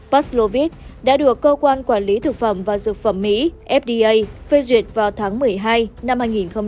palovit đã được cơ quan quản lý thực phẩm và dược phẩm mỹ fda phê duyệt vào tháng một mươi hai năm hai nghìn hai mươi một